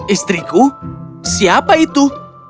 istriku siapa itu